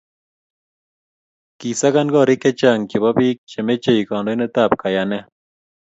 kisakan korik chechang' chebo biik che mechei kandoindetab kayane